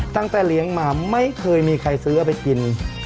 ตั้งแต่เลี้ยงมาไม่เคยมีใครซื้อเอาไปกิน